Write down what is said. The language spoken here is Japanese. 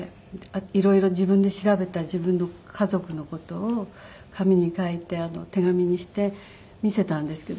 色々自分で調べた自分の家族の事を紙に書いて手紙にして見せたんですけど。